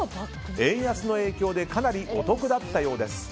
円安の影響でかなりお得だったそうです。